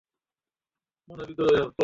আমি ভাবলাম তার হয়ত কোন বিপদ হয়েছে।